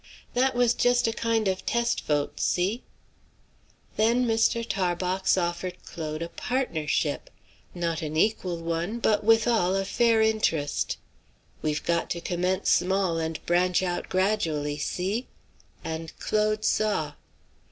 "That was just a kind of test vote; see?" Then Mr. Tarbox offered Claude a partnership; not an equal one, but withal a fair interest. "We've got to commence small and branch out gradually; see?" And Claude saw.